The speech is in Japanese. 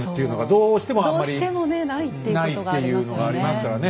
どうしてもねないっていうことがありますよね。